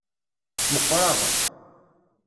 Meqqreɣ.